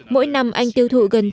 mỗi năm anh tiêu thụ gà